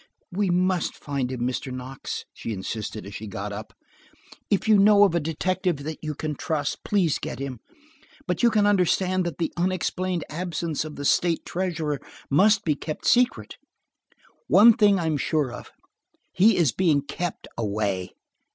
"We must find him, Mr. Knox," she insisted as she got up. "If you know of a detective that you can trust, please get him. But you can understand that the unexplained absence of the state treasurer must be kept secret. One thing I am sure of: He is being kept away.